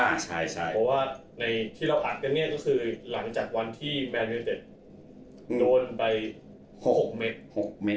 เพราะว่าในที่เราอัดกันเนี่ยก็คือหลังจากวันที่แบรนยูเต็ดโดนไป๖๖เมตร